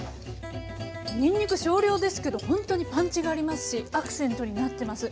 にんにく少量ですけどほんとにパンチがありますしアクセントになってます。